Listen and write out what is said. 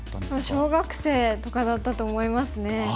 小学生とかだったと思いますね。